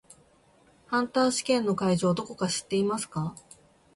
ハンター試験の会場どこか知っていますか？